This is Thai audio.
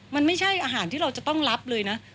มันไม่ใช่อาหารที่เราจะต้องรับเลยนะ